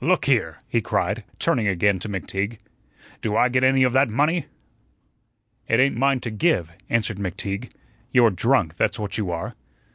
Look here," he cried, turning again to McTeague, "do I get any of that money?" "It ain't mine to give," answered McTeague. "You're drunk, that's what you are."